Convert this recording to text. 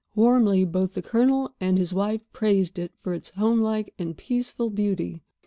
Warmly both the Colonel and his wife praised it for its homelike and peaceful beauty.